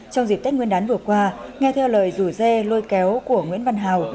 trong dịp tết nguyên đán vừa qua nghe theo lời rủ dê lôi kéo của nguyễn văn hào